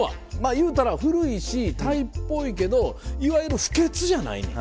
いうたら古いしタイっぽいけどいわゆる不潔じゃないねん。